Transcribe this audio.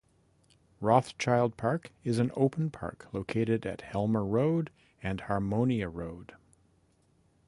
Rothchild Park is an open park located at Helmer Road and Harmonia Road.